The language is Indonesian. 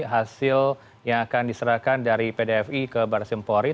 hasil yang akan diserahkan dari pdfi ke baris empori